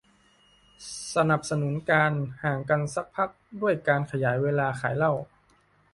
สนับสนุนการ ห่างกันสักพัก ด้วยการขยายเวลาขายเหล้า